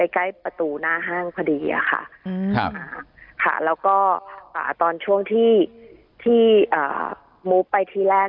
ใกล้ประตูหน้าห้างพอดีอะค่ะแล้วก็ตอนช่วงที่มุกไปทีแรก